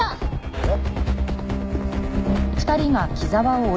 えっ。